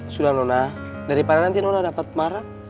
sudah nona daripada nanti nona dapat marah